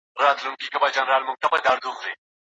تاسو د خپل هیواد لپاره څه کولای سئ؟